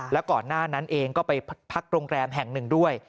แล้วก่อนหน้านั้นเองก็ไปพักโรงแรมแห่งหนึ่งด้วย